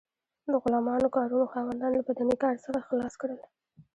د غلامانو کارونو خاوندان له بدني کار څخه خلاص کړل.